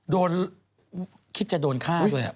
คิดจะโดนฆ่าด้วย